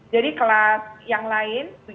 jadi kelas yang lain